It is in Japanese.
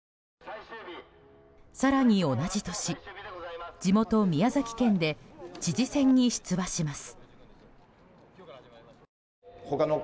更に同じ年、地元・宮崎県で知事選に出馬します。